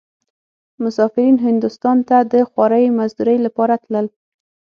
مسافرين هندوستان ته د خوارۍ مزدورۍ لپاره تلل.